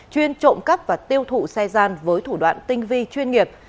chuyên trộm cắp và tiêu thụ xe gian với thủ đoạn tinh vi chuyên nghiệp